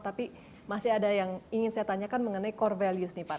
tapi masih ada yang ingin saya tanyakan mengenai core values nih pak